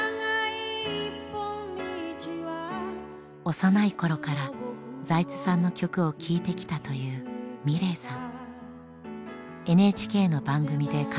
幼い頃から財津さんの曲を聴いてきたというｍｉｌｅｔさん。